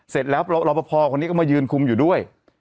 เสร็จแล้วรอปภคนนี้ก็มายืนคุมอยู่ด้วย